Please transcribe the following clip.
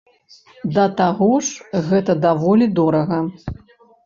Да таго ж гэта даволі дорага.